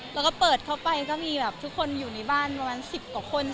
แล้วก็เปิดเข้าไปก็มีแบบทุกคนอยู่ในบ้านประมาณ๑๐กว่าคน